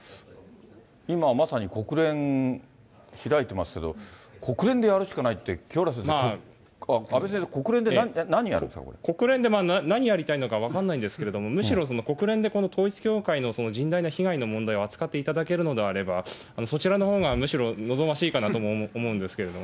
今、まさに国連開いてますけど、国連でやるしかないって、清原先生、阿部先生、国連で何やりたいのか分からないんですけれども、むしろ国連で統一教会の甚大な被害の問題を扱っていただけるのであれば、そちらのほうがむしろ望ましいかなとも思うんですけど。